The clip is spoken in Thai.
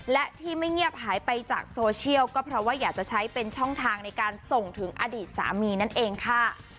และที่ไม่เงียบหายไปจากโซเชียลก็เพราะว่าอยากจะใช้เป็นช่องทางในการส่งถึงอดีตสามีนั่นเองค่ะ